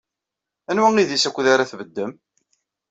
Anwa idis wukud ara tbeddem?